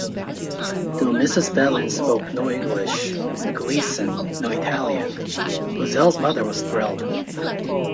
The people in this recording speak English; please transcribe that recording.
Though Mrs. Belline spoke no English and Gleason no Italian, Roselle's mother was thrilled.